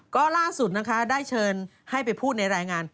ก็ล่าสุดนะคะได้เชิญให้ไปพูดในรายงาน